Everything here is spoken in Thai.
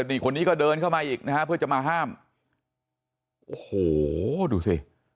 นี่คนนี้ก็เดินเข้ามาอีกนะฮะเพื่อจะมาห้ามโอ้โหดูสิ